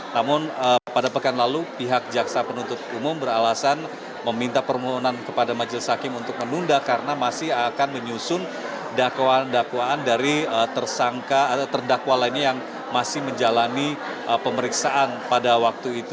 namun pada pekan lalu pihak jaksa penuntut umum beralasan meminta permohonan kepada majelis hakim untuk menunda karena masih akan menyusun dakwaan dakwaan dari tersangka atau terdakwa lainnya yang masih menjalani pemeriksaan pada waktu itu